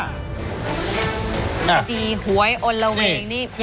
ตีหวยอลลาเวน